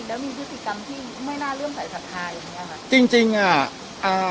แล้วมีพฤติกรรมที่ไม่น่าเริ่มใส่ศรัทธาอย่างเงี้ยค่ะจริงจริงอ่ะอ่า